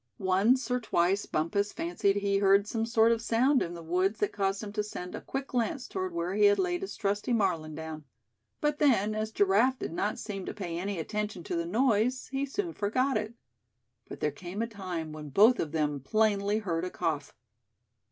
Once or twice Bumpus fancied he heard some sort of sound in the woods that caused him to send a quick glance toward where he had laid his "trusty Marlin" down; but then, as Giraffe did not seem to pay any attention to the noise, he soon forgot it. But there came a time when both of them plainly heard a cough.